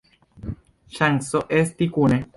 Ŝanco esti kune!